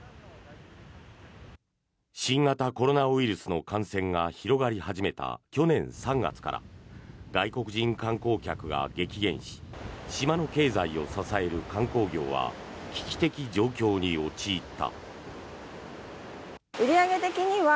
新型コロナウイルスの感染が広がり始めた去年３月から外国人観光客が激減し島の経済を支える観光業は危機的状況に陥った。